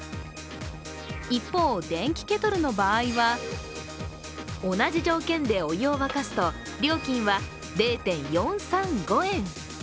一方、電気ケトルの場合は同じ条件でお湯を沸かすと料金は０．４３５円。